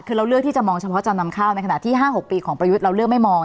คือเราเลือกที่จะมองเฉพาะจำนำข้าวในขณะที่๕๖ปีของประยุทธ์เราเลือกไม่มอง